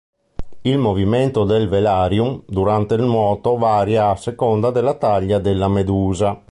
Il movimento del velarium durante il nuoto varia a seconda della taglia della medusa.